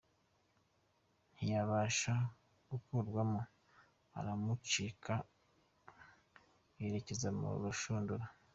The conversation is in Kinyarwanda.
ntiyabasha kwkuramo uramucika werekeza mu rushundura.